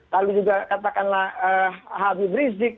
lalu juga katakanlah habib rizik